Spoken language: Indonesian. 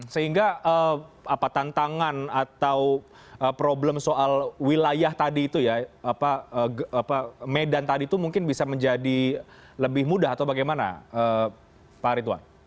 sehingga tantangan atau problem soal wilayah tadi itu ya medan tadi itu mungkin bisa menjadi lebih mudah atau bagaimana pak ridwan